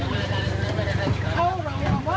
ให้รถตาก่อนแล้วให้น้ำเนื้อก่อน